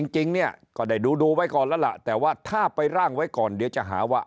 จริงเนี่ยก็ได้ดูไว้ก่อนแล้วล่ะแต่ว่าถ้าไปร่างไว้ก่อนเดี๋ยวจะหาว่า